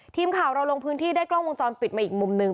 ทีมข่าวเราลงพื้นที่ได้กล้องวงจรปิดมาอีกมุมหนึ่ง